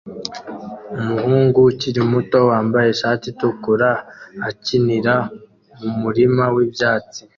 Umuhungu ukiri muto wambaye ishati itukura akinira mumurima wibyatsi